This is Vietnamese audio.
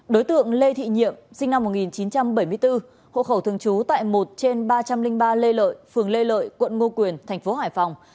đối tượng lê thị nhiệm sinh năm một nghìn chín trăm bảy mươi bốn hộ khẩu thường trú tại một trên ba trăm linh ba lê lợi phường lê lợi quận ngô quyền thành phố hải phòng